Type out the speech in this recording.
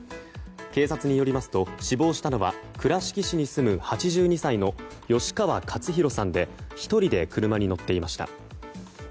警察によりますと死亡したのは倉敷市に住む８２歳の吉川勝廣さんで１人で車に乗っていました。